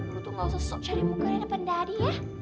lo tuh nggak usah sok cari muka rindu pendadi ya